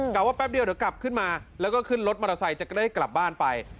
ว่าแป๊บเดียวเดี๋ยวกลับขึ้นมาแล้วก็ขึ้นรถมอเตอร์ไซค์จะได้กลับบ้านไป